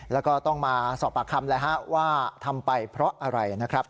แล้วก็ต้องมาสอบปากคำเลยฮะว่าทำไปเพราะอะไรนะครับ